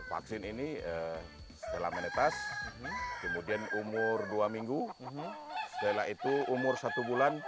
vaksin ini setelah menetas kemudian umur dua minggu setelah itu umur satu bulan